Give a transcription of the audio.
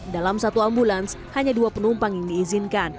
dalam satu ambulans hanya dua penumpang yang diizinkan